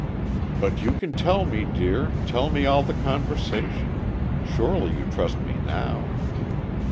"But you can tell me, dear, tell me all the conversation. Surely you trust me now."